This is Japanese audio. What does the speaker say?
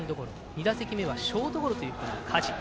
２打席目がショートゴロという梶。